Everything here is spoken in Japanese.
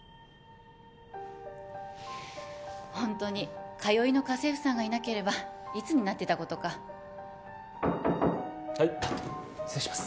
ホントに通いの家政婦さんがいなければいつになってたことかはい失礼します